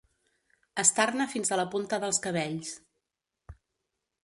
Estar-ne fins a la punta dels cabells.